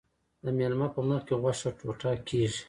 د میلمه په مخکې غوښه ټوټه کیږي.